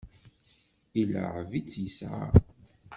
Ileɛɛeb-itt yesɛa.